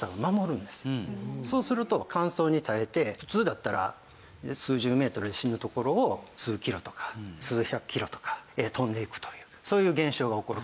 そうすると乾燥に耐えて普通だったら数十メートルで死ぬところを数キロとか数百キロとか飛んでいくというそういう現象が起こるかもしれません。